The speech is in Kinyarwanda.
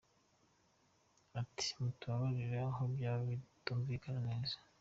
Ati “Mutubabarire aho byaba bitarumvikanye neza.